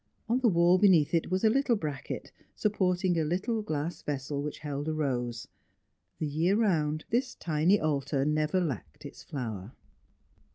On the wall beneath it was a little bracket, supporting a little glass vessel which held a rose. The year round, this tiny altar never lacked its flower.